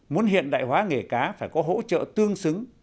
muốn hiện đại hóa nghề cá phải có hỗ trợ tương xứng